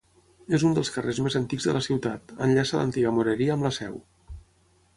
És un dels carrers més antics de la ciutat; enllaça l'antiga moreria amb la seu.